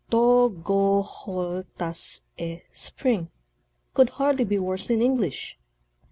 "'To go hol tas e Spring" could hardly be worse in English.